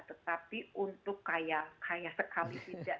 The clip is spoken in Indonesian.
tetapi untuk kaya kaya sekali tidak